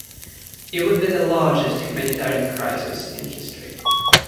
It would be the largest humanitarian crisis in history.